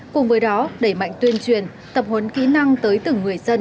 cùng với đó đẩy mạnh tuyên truyền tập huấn kỹ năng tới từng người dân